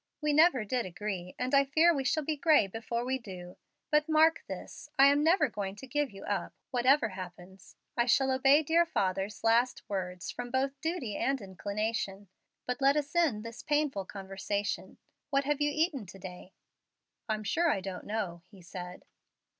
We never did agree, and I fear we shall be gray before we do. But mark this: I am never going to give you up, whatever happens. I shall obey dear father's last words from both duty and inclination. But let us end this painful conversation. What have you eaten to day?" "I'm sure I don't know," he said.